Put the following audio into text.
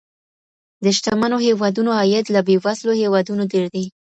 د شتمنو هیوادونو عاید له بېوزلو هیوادونو ډیر دی.